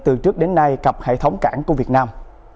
từ trước đến nay cập hệ thống cảng của việt nam